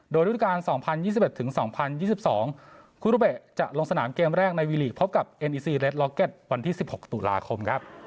โดยรู้จักรรม๒๐๒๑๒๐๒๒